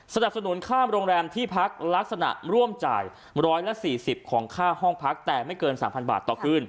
สนับสนุนค่ารงแรมที่พักลักษณะร่วมจ่าย๑๔๐บาทของค่าห้องพักแต่ไม่เกิน๓๐๐๐๒๕๕บาท